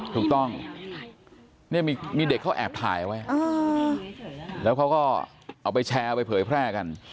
ถูกต้องเนี่ยมีเด็กเขาแอบถ่ายเอาไว้แล้วเขาก็เอาไปแชร์เอาไปเผยแพร่กัน